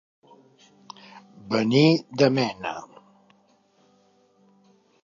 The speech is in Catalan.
Venir de mena.